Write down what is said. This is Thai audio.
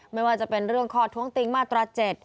ไม่ว่าจะเป็นเรื่องข้อท้วงติงมาตรา๗